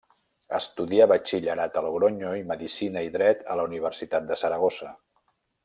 Estudià batxillerat a Logronyo i medicina i dret a la Universitat de Saragossa.